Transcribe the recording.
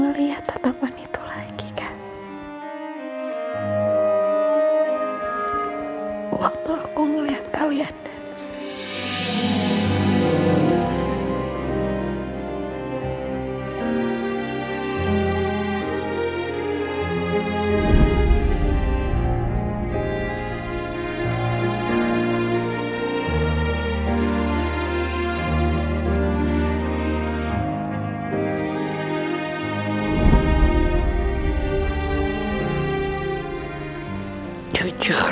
dan kamu tau